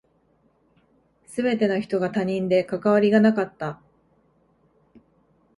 全ての人が他人で関わりがなかった。